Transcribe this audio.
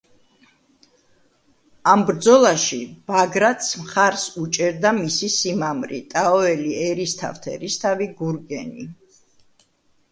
ამ ბრძოლაში ბაგრატს მხარს უჭერდა მისი სიმამრი, ტაოელი ერისთავთ-ერისთავი გურგენი.